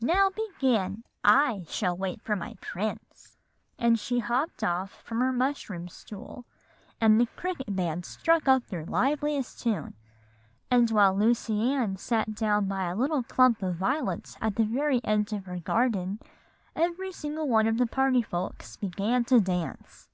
'Now begin; I shall wait for my prince;' and she hopped off from her mushroom stool, and the cricket band struck up their liveliest tune; and while Lucy Ann sat down by a little clump of violets at the very end of her garden, every single one of the party folks began to dance.